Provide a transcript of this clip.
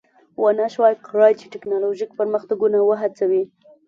ونشوای کړای چې ټکنالوژیک پرمختګونه وهڅوي